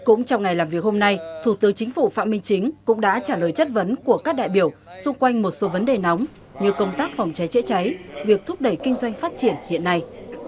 cũng trong ngày làm việc hôm nay thủ tướng chính phủ phạm minh chính cũng đã trả lời chất vấn của các đại biểu xung quanh một số vấn đề nóng như công tác phòng cháy chữa cháy việc thúc đẩy kinh doanh phát triển hiện nay